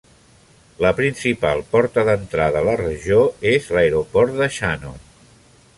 La principal porta d'entrada a la regió és l'aeroport de Shannon.